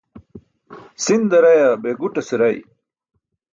Si̇nda rayaa, bee guṭase ray?